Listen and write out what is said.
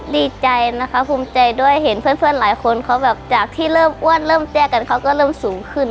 ดีใจนะคะภูมิใจด้วยเห็นเพื่อนหลายคนเขาแบบจากที่เริ่มอ้วนเริ่มแจ้กันเขาก็เริ่มสูงขึ้น